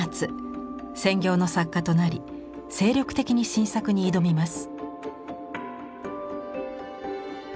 専業の作家となり精力的に新作に挑みます。